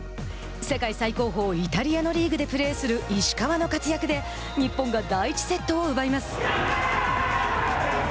世界最高峰イタリアのリーグでプレーする石川の活躍で日本が第１セットを奪います。